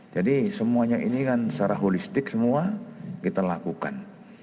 jadi semuanya ini kan secara holistik semua kita lakukan